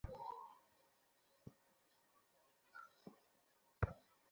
বাহাদুরগড় জেলা ও রাজ্যের প্রধান শহর।